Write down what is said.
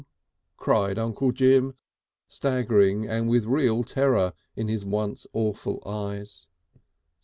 cried Uncle Jim, staggering and with real terror in his once awful eyes.